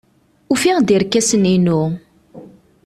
Ufiɣ-d irkasen-inu.